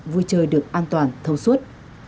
vui chơi được an toàn thâu suốt